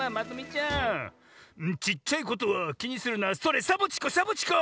ちっちゃいことはきにするなそれサボチコサボチコ！